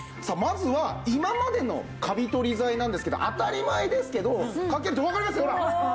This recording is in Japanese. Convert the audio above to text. さあまずは今までのカビ取り剤なんですけど当たり前ですけどかけるとわかります？